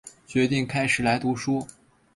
决定开始来读书